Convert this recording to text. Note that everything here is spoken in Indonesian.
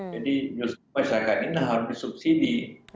jadi masyarakat ini harus disubsidi